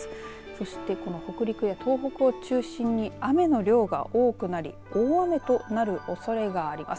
そしてこの北陸や東北を中心に雨の量が多くなり大雨となるおそれがあります。